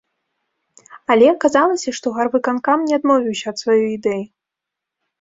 Але аказалася, што гарвыканкам не адмовіўся ад сваёй ідэі.